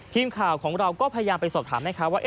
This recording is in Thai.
ทีมข่าวของเราก็พยายามไปสอบถามแม่ค้าว่า